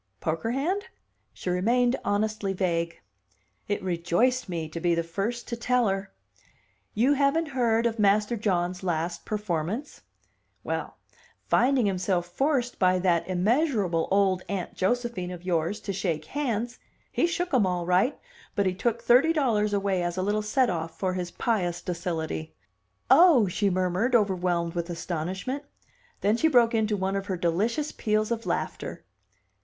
"Poker hand?" She remained honestly vague. It rejoiced me to be the first to tell her. "You haven't heard of Master John's last performance? Well, finding himself forced by that immeasurable old Aunt Josephine of yours to shake hands, he shook 'em all right, but he took thirty dollars away as a little set off for his pious docility." "Oh!" she murmured, overwhelmed with astonishment. Then she broke into one of her delicious peals of laughter.